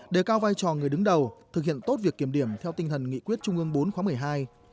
đề cao vai trò người đứng đầu thực hiện tốt việc kiểm điểm theo tinh thần nghị quyết trung ương bốn khóa một mươi hai